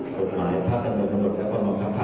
กับกฎหมายพระคัมมูลประหนดและความน้องครับ